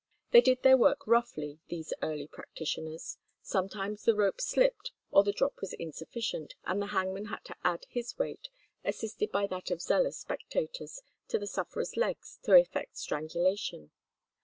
They did their work roughly, these early practitioners. Sometimes the rope slipped or the drop was insufficient, and the hangman had to add his weight, assisted by that of zealous spectators, to the sufferer's legs to effect strangulation.